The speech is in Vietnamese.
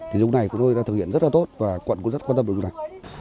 thì lúc này chúng tôi đã thực hiện rất là tốt và quận cũng rất quan tâm được việc này